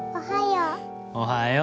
おはよう。